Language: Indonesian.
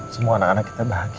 semua anak anak kita bahagia